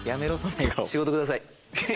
仕事ください。